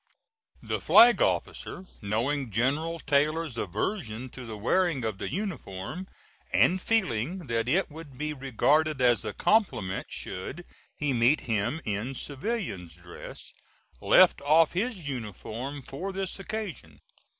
The Flag Officer, knowing General Taylor's aversion to the wearing of the uniform, and feeling that it would be regarded as a compliment should he meet him in civilian's dress, left off his uniform for this occasion.